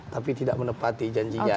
tapi tidak menepati janjinya